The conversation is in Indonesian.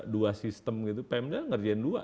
dua sistem gitu pmd ngerjain dua